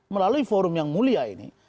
melalui forum yang mulia ini